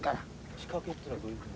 仕掛けっていうのはどういうふうな？